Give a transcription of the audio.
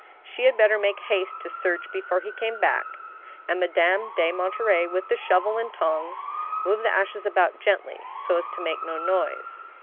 She had better make haste to search before he* came back ; and Madame de Monterey, with the shovel and tongs, moved the ashes about gently, so as to make no noise.